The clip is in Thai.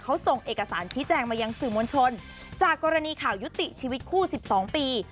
เขาส่งเอกสารชี้แจงมายังสื่อมวลชนจากกรณีข่าวยุติชีวิตคู่๑๒ปี